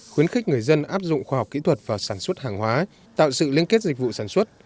khuyến khích người dân áp dụng khoa học kỹ thuật vào sản xuất hàng hóa tạo sự liên kết dịch vụ sản xuất